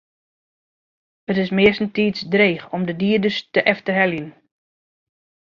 It is meastentiids dreech om de dieders te efterheljen.